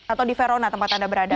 atau di verona tempat anda berada